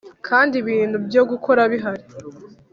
kandi ibintu byo gukora bihari.